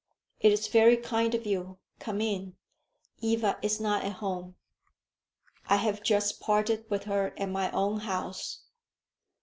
"It is very kind of you. Come in. Eva is not at home." "I have just parted with her at my own house.